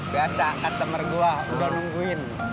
biasa customer gue udah nungguin